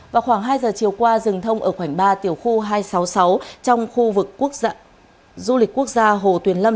vào khoảng hai giờ chiều qua rừng thông ở khoảng ba tiểu khu hai trăm sáu mươi sáu trong khu vực quốc gia hồ tuyền lâm